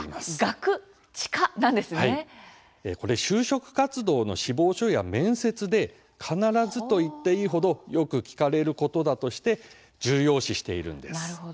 就職活動の志望書や面接で必ずといっていいほどよく聞かれることだとして重要視しているんです。